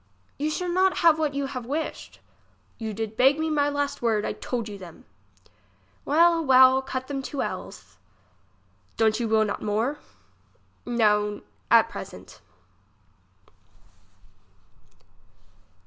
You shall not have what you have wished. You did beg me my last word, I told you them. Well, well, cut them two ells. Don't you will not more ? No, at present.